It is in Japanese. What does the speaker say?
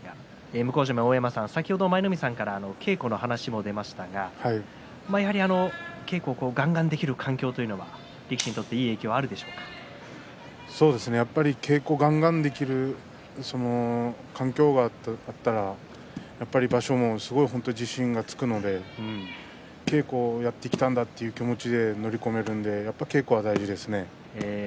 向正面の大山さん舞の海さんから稽古の話も出ましたがやはり稽古をがんがんできる環境というのは力士にとっては稽古が、がんがんできる環境があったら、やっぱり場所も本当に自信がつくので稽古をやってきたんだという気持ちで乗り込めるので稽古は大事ですね。